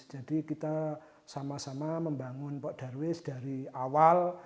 jadi kita sama sama membangun pak darwis dari awal